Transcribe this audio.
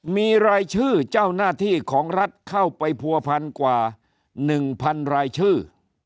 มีรายชื่อเจ้าหน้าที่ของรัฐเข้าไปผัวพันกว่า๑๐๐รายชื่อ